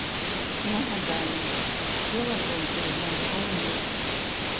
Нагадаем, цела жонкі знайшоў муж.